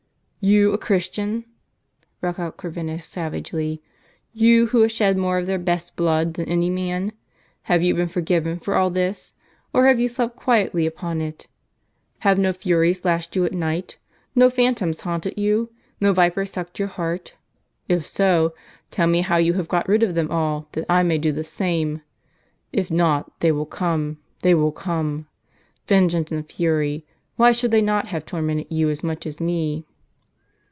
" You a Christian ?" broke out Corvinus savagely. " You who have shed more of their best blood than any man ? Have you been forgiven for all this? Or have you slept quietly upon it ? Have no furies lashed you at night ? no phantoms haunted you ? no viper sucked your heart ? If so, tell me how you have got rid of them all, that I may do the same. If not, they will come, they will come ! Vengeance and fury ! why should they not have tormented you as much as me